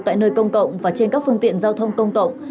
tại nơi công cộng và trên các phương tiện giao thông công cộng